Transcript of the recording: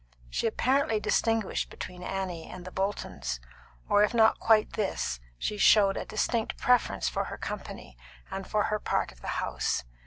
She apparently distinguished between Annie and the Boltons, or if not quite this, she showed a distinct preference for her company, and for her part of the house.